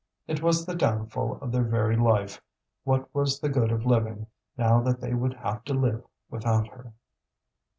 It was the downfall of their very life; what was the good of living, now that they would have to live without her?